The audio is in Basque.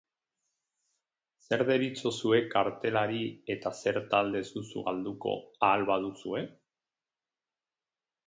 Zer deritzozue kartelari eta zer talde ez duzu galduko, ahal baduzue?